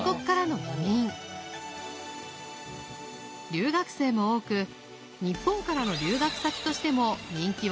留学生も多く日本からの留学先としても人気はナンバーワン！